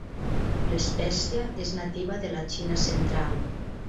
L'espècia és nativa de la Xina central.